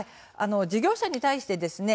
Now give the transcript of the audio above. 事業者に対してですね